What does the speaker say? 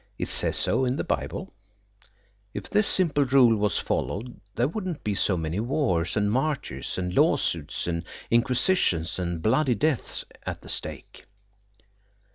It says so in the Bible. If this simple rule was followed there would not be so many wars and martyrs and law suits and inquisitions and bloody deaths at the stake.